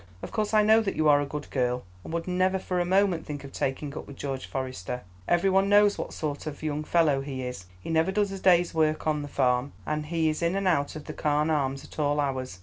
Of course I know that you are a good girl, and would never for a moment think of taking up with George Forester. Every one knows what sort of young fellow he is; he never does a day's work on the farm, and he is in and out of the 'Carne Arms' at all hours.